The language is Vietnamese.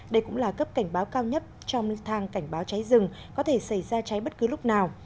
đây cũng là cấp cảnh báo cao nhất trong nước thang cảnh báo cháy rừng có thể xảy ra cháy bất cứ lúc nào